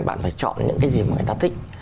bạn phải chọn những cái gì mà người ta thích